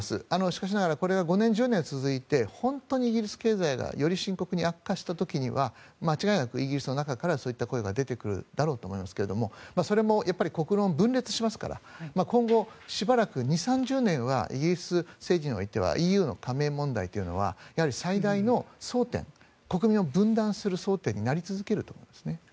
しかしながらこれが５年、１０年続いて本当にイギリス経済がより深刻に悪化した時には間違いなくイギリスの中からそういった声が出てくるだろうと思いますがそれも国論、分裂しますから今後、しばらく２０３０年はイギリス政治においてはＥＵの加盟問題は最大の争点国民を分断する争点になり得ると思います。